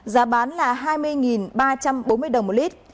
giá bán là hai mươi ba trăm bốn mươi đồng một lít